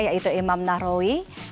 yaitu imam narowi